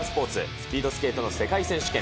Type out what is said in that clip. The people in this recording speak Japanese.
スピードスケートの世界選手権。